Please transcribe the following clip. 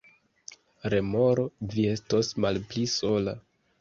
Remoro: "Vi estos malpli sola."